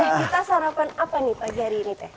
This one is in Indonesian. kita sarapan apa nih pagi hari ini teh